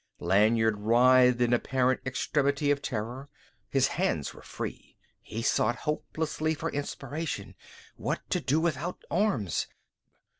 Lanyard writhed in apparent extremity of terror. His hands were free. He sought hopelessly for inspiration. What to do without arms?